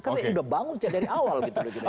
karena ini sudah bangun dari awal